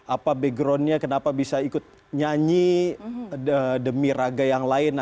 apa backgroundnya kenapa bisa ikut nyanyi demi raga yang lain